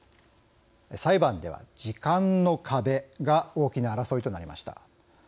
裁判では、時間の壁が大きな争いとなりました。